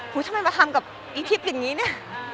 ทำไมมาทำกับอีเท็บแบบนี้เนี่ย